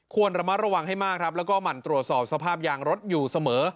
ควรระมัดระวังให้มากครับแล้วก็หมั่นตรวจสอบสภาพยางรถอยู่เสมอ